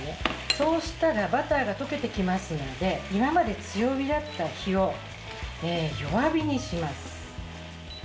そうしたらバターが溶けてきますので今まで強火だった火を弱火にします。